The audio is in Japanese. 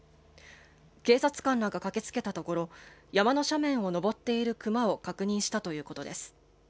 警察官らが駆けつけたところ山の斜面を登っているクマを確認したということです。